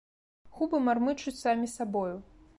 Губы мармычуць самі сабою.